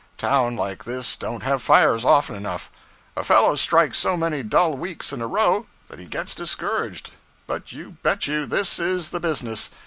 Town like this don't have fires often enough a fellow strikes so many dull weeks in a row that he gets discouraged. But you bet you, this is the business!